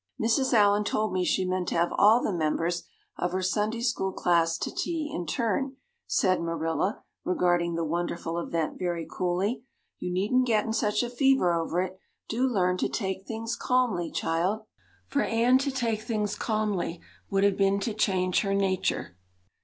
"Mrs. Allan told me she meant to have all the members of her Sunday school class to tea in turn," said Marilla, regarding the wonderful event very coolly. "You needn't get in such a fever over it. Do learn to take things calmly, child." For Anne to take things calmly would have been to change her nature.